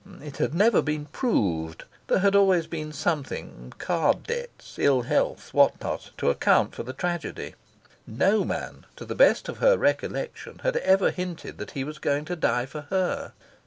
It had never been proved. There had always been something card debts, ill health, what not to account for the tragedy. No man, to the best of her recollection, had ever hinted that he was going to die for her.